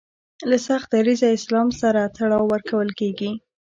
له سخت دریځه اسلام سره تړاو ورکول کیږي